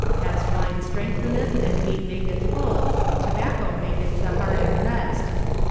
As wine strengtheneth and meat maketh full, tobacco maketh the heart at rest.